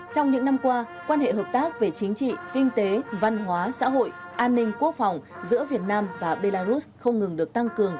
trong những năm qua quan hệ hợp tác về chính trị kinh tế văn hóa xã hội an ninh quốc phòng giữa việt nam và belarus không ngừng được tăng cường